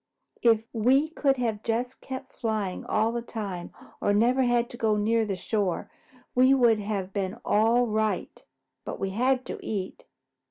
If we could have just kept flying all the time or never had to go near the shore, we would have been all right. But we had to eat."